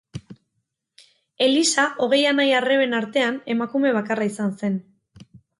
Elisa hogei anai-arreben artean emakume bakarra izan zen.